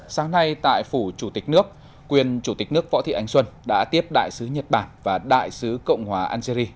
sáng nay tại phủ chủ tịch nước quyền chủ tịch nước võ thị ánh xuân đã tiếp đại sứ nhật bản và đại sứ cộng hòa algeria